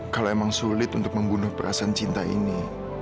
kalau emang sulit untuk membunuh perasaan cinta ini